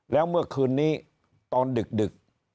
แล้วเมื่อคืนนี้ตอนดึก